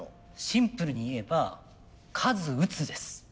シンプルに言えば数打つです。